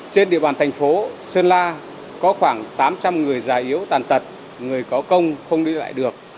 trên địa bàn thành phố sơn la có khoảng tám trăm linh người già yếu tàn tật người có công không đi lại được